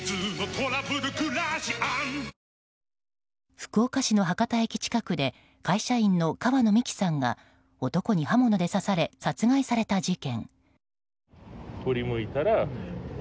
福岡市の博多駅近くで会社員の川野美樹さんが男に刃物で刺され殺害された事件。